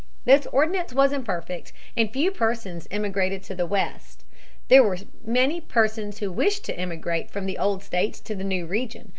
This ordinance was imperfect, and few persons emigrated to the West. There were many persons who wished to emigrate from the old states to the new region.